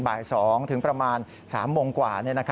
บ่าย๒ถึงประมาณ๓โมงกว่า